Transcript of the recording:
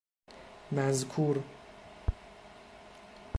مذکور